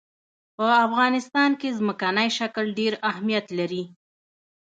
په افغانستان کې ځمکنی شکل ډېر اهمیت لري.